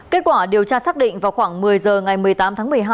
kết quả điều tra xác định vào khoảng một mươi h ngày một mươi tám tháng một mươi hai